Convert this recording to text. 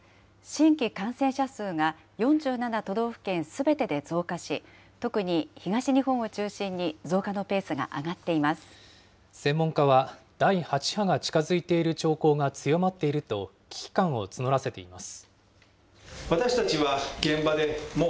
新規感染者数が４７都道府県すべてで増加し、特に東日本を中心に専門家は、第８波が近づいている兆候が強まっていると危機感を募らせています。